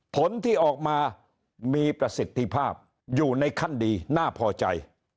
ผลที่ออกมามีประสิทธิภาพอยู่ในขั้นดีน่าพอใจ